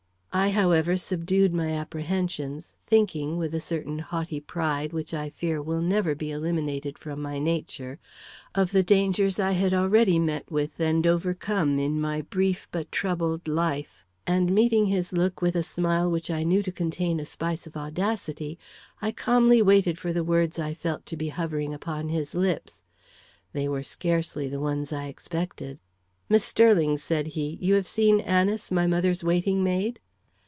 I, however, subdued my apprehensions, thinking, with a certain haughty pride which I fear will never be eliminated from my nature, of the dangers I had already met with and overcome in my brief but troubled life; and meeting his look with a smile which I knew to contain a spice of audacity, I calmly waited for the words I felt to be hovering upon his lips. They were scarcely the ones I expected. "Miss Sterling," said he, "you have seen Anice, my mother's waiting maid?"